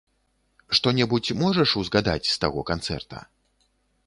Што-небудзь можаш узгадаць з таго канцэрта?